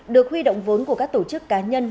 được huy động vốn của các tổ chức cá nhân